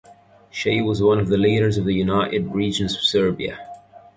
She was one of the leaders of the United Regions of Serbia.